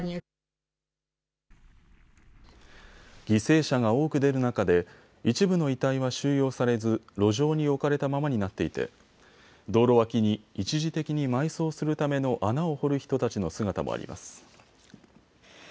犠牲者が多く出る中で一部の遺体は収容されず路上に置かれたままになっていて道路脇に一時的に埋葬するための穴を掘る人たちの姿もあります。